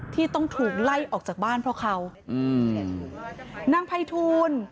ที่ต้องถูกไล่ออกจากบ้านเพราะเขาอืมนางไพทูล